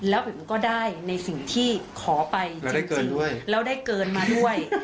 แล้วผมก็ได้ในสิ่งที่ขอไปด้วยแล้วได้เกินมาด้วย